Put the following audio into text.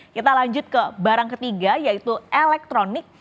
kita lanjut ke barang ketiga yaitu elektronik